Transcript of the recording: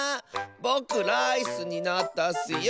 ぼくライスになったッスよ！